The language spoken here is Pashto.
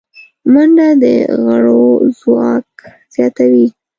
منډه د غړو ځواک زیاتوي